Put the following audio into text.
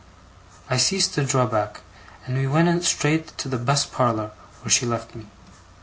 I ceased to draw back, and we went straight to the best parlour, where she left me.